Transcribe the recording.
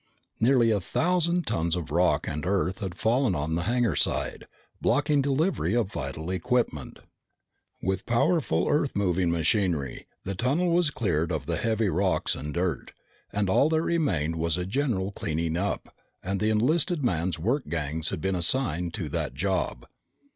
Nearly a thousand tons of rock and earth had fallen on the hangar side, blocking delivery of vital equipment. With powerful earth moving machinery, the tunnel was cleared of the heavy rocks and dirt, and all that remained was a general cleaning up, and the enlisted man's work gangs had been assigned to that job.